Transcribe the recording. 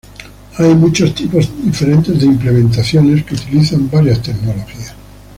Hay muchos tipos diferentes de implementaciones, que utilizan varias tecnologías.